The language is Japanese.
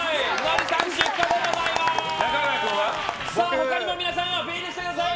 他にも皆さんアピールしてください。